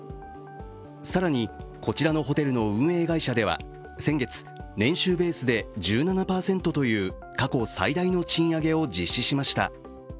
更に、こちらのホテルの運営会社では先月、年収ベースで１７％という過去最大の賃上げを実施しました。